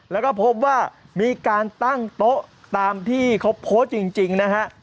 แล้วก็พบว่ามีการตั้งโต๊ะตามที่เขาโพสต์จริงนะฮะ